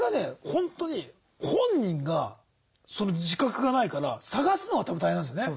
ホントに本人がその自覚がないから探すのが多分大変なんですよね。